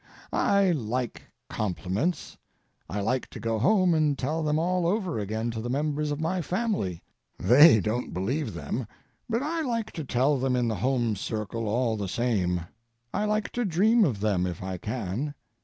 I like compliments. I like to go home and tell them all over again to the members of my family. They don't believe them, but I like to tell them in the home circle, all the same. I like to dream of them if I can.